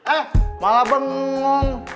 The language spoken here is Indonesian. eh malah bengong